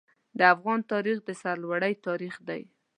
د افغان تاریخ د سرلوړۍ تاریخ دی.